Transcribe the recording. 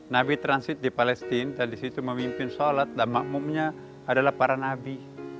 nabi transit di palestina di situ memimpin sholat dan makmumnya adalah para nabi